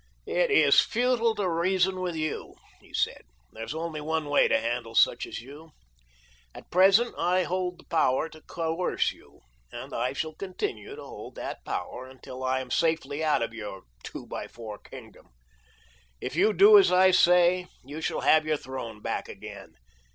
"It is futile to reason with you," he said. "There is only one way to handle such as you. At present I hold the power to coerce you, and I shall continue to hold that power until I am safely out of your two by four kingdom. If you do as I say you shall have your throne back again.